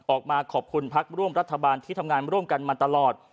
ออกมาขอบคุณพักร่วมรัฐบาลที่ทำงานร่วมกันมาตลอด